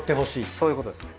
そういうことですね。